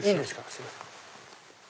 すいません。